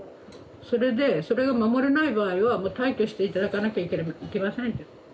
それでそれが守れない場合はもう退去して頂かなきゃいけませんって。